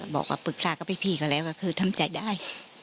บอกว่าปรึกษากับพี่ก่อนแล้วยังได้ทำใจได้